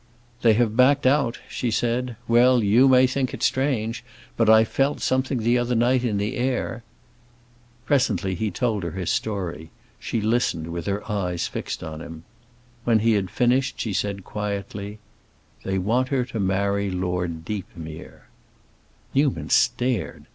"They have backed out!" she said. "Well, you may think it strange, but I felt something the other night in the air." Presently he told her his story; she listened, with her eyes fixed on him. When he had finished she said quietly, "They want her to marry Lord Deepmere." Newman stared.